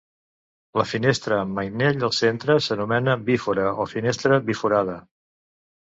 La finestra amb mainell al centre s'anomena bífora, o finestra biforada.